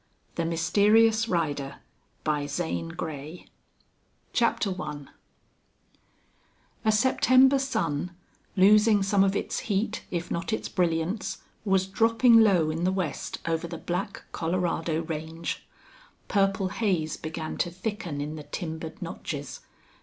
280 THE MYSTERIOUS RIDER CHAPTER I A September sun, losing some of its heat if not its brilliance, was dropping low in the west over the black Colorado range. Purple haze began to thicken in the timbered notches.